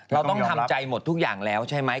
เราต้องทำใจหมดทุกอย่างแล้วใช่ไหม